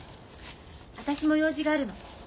私も用事があるの。